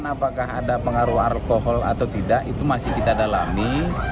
apakah ada pengaruh alkohol atau tidak itu masih kita dalami